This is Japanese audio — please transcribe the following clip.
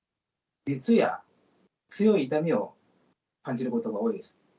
熱や強い痛みを感じることが多いです。